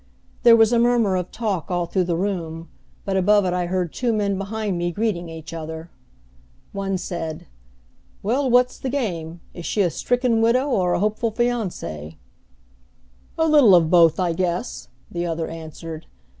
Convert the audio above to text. There was a murmur of talk all through the room, but above it I heard two men behind me greeting each other. One said, "Well, what's the game? Is she a stricken widow or a hopeful fiancée?" "A little of both, I guess," the other answered.